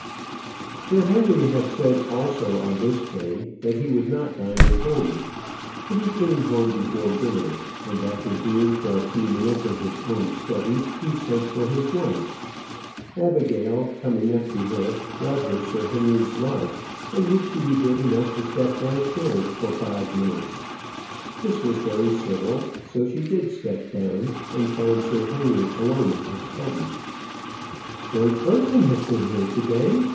Sir Henry had said also on this day that he would not dine at home; but he came home before dinner; and after being for a few minutes in his own study, he sent for his wife. Abigail, coming up to her, brought her Sir Henry's love, and would she be good enough to step downstairs for five minutes? This was very civil; so she did step down, and found Sir Henry alone in his study. "George Bertram has been here to day?"